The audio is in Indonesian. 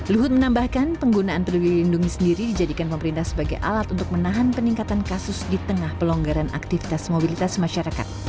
luhut menambahkan penggunaan peduli lindungi sendiri dijadikan pemerintah sebagai alat untuk menahan peningkatan kasus di tengah pelonggaran aktivitas mobilitas masyarakat